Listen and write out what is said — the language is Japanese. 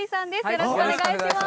よろしくお願いします。